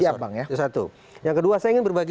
siap bang yang kedua saya ingin berbagi